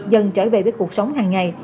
dần trở về với cuộc sống hàng ngày